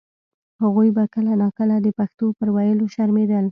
هغوی به کله نا کله د پښتو پر ویلو شرمېدل.